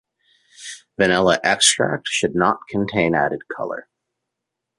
Vanilla extract should not contain added colour.